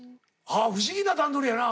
不思議な段取りやな。